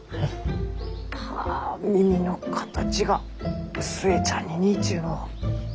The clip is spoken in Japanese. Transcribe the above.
はあ耳の形が寿恵ちゃんに似いちゅうのう。